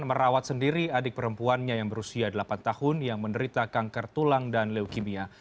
merawat sendiri adik perempuannya yang berusia delapan tahun yang menderita kanker tulang dan leukemia